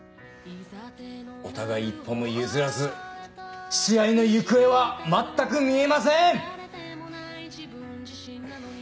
お互い一歩も譲らず試合の行方は全く見えません！